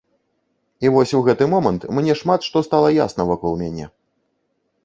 І вось у гэты момант мне шмат што стала ясна вакол мяне.